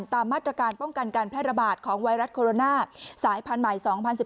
ตามมาตรการป้องกันการแพร่ระบาดของไวรัสโคโรนาสายพันธุ์ใหม่๒๐๑๘